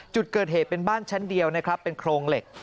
จุดเกิดเหตุเป็นบ้านชั้นเดียวนะครับเป็นโครงเหล็ก